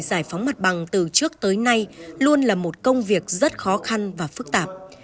giải phóng mặt bằng từ trước tới nay luôn là một công việc rất khó khăn và phức tạp